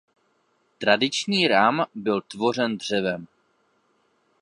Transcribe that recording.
Tradiční rám byl tvořen dřevem.